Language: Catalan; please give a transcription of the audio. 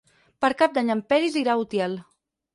Per Cap d'Any en Peris irà a Utiel.